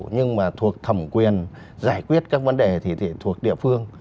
nhưng mà thuộc thẩm quyền giải quyết các vấn đề thì thuộc địa phương